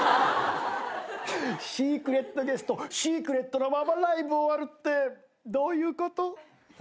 シークレットゲストシークレットなままライブ終わるってどういうこと？